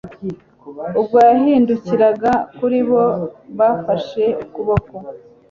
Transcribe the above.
Ubwo yahindukiraga kuri bo bafashe ukuboko